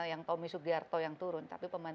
yang tommy sugiarto yang turun tapi pemain